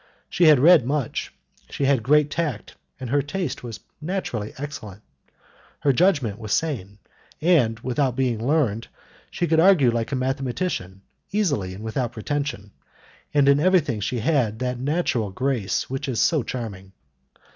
She had read much, she had great tact, and her taste was naturally excellent; her judgment was sane, and, without being learned, she could argue like a mathematician, easily and without pretension, and in everything she had that natural grace which is so charming.